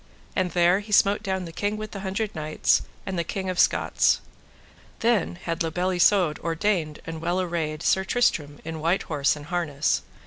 And there he smote down the King with the Hundred Knights, and the King of Scots. Then had La Beale Isoud ordained and well arrayed Sir Tristram in white horse and harness.